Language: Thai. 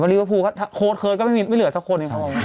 บริเวอร์ฟูถ้าโค้ดเคิดก็ไม่เหลือสักคนอีกครับ